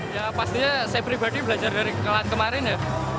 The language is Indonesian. ya pastinya saya pribadi belajar dari kemarin ya